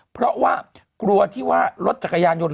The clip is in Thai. เพราะว่ากลัวที่ว่ารถจักรยานยนต์